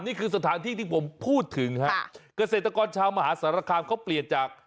นี่คือสถานที่ที่ผมพูดถึงฮะเกษตรกรชาวมหาสารคามเขาเปลี่ยนจาก